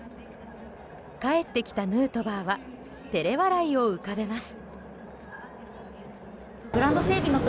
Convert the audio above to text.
帰ってきたヌートバーは照れ笑いを浮かべます。